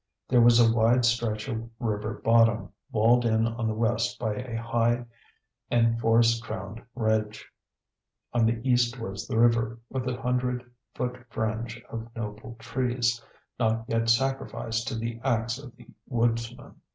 There was a wide stretch of river bottom, walled in on the west by a high and forest crowned ridge; on the east was the river, with a hundred foot fringe of noble trees, not yet sacrificed to the axe of the woodsman.